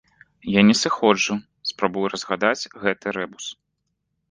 Я не сыходжу, спрабую разгадаць гэты рэбус.